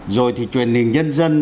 rồi thì truyền hình nhân dân